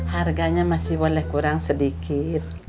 harganya masih boleh kurang sedikit